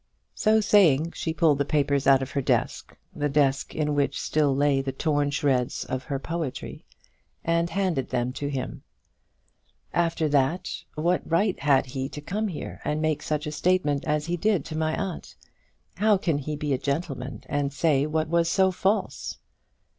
So saying, she pulled the papers out of her desk, the desk in which still lay the torn shreds of her poetry, and handed them to him. "After that, what right had he to come here and make such a statement as he did to my aunt? How can he be a gentleman, and say what was so false?"